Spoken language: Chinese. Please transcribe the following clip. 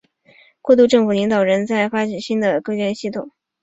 过渡政府领导人正在发展新的治理结构并着手解决重要的宪法争议。